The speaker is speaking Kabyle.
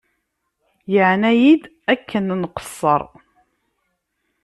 Yeɛna-iyi-d akken nqesser.